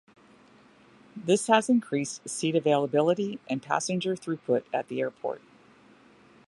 This has increased seat availability and passenger throughput at the airport.